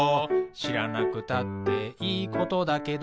「しらなくたっていいことだけど」